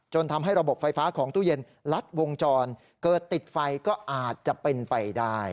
ทำให้ระบบไฟฟ้าของตู้เย็นลัดวงจรเกิดติดไฟก็อาจจะเป็นไปได้